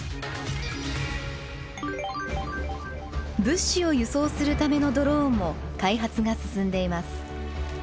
物資を輸送するためのドローンも開発が進んでいます。